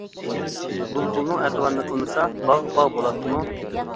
بۇلبۇلنىڭ ئەتىۋارىنى قىلمىسا باغ باغ بولاتتىمۇ؟ !